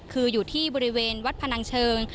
คืออยู่ที่บริเวณวัดพนังเชิง